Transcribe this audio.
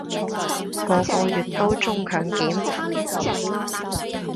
個個月都中強檢